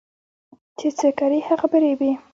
چې څه کرې هغه به ريبې